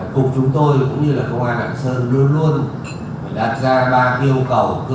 cục chúng tôi cũng như là công an đảng sơn luôn luôn đạt ra ba yêu cầu cơ bản khi bắt một đối tượng